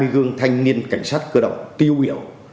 hai mươi gương thanh niên cảnh sát cơ động tiêu biểu